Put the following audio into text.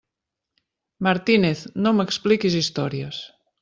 Martínez, no m'expliquis històries!